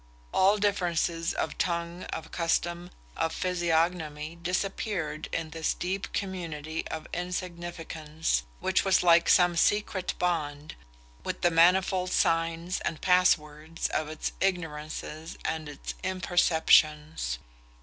All differences of tongue, of custom, of physiognomy, disappeared in this deep community of insignificance, which was like some secret bond, with the manifold signs and pass words of its ignorances and its imperceptions.